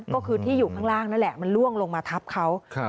ก็คือที่อยู่ข้างล่างนั่นแหละมันล่วงลงมาทับเขา